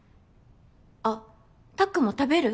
あったっくんも食べる？